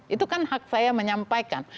itu kan hak saya menyampaikan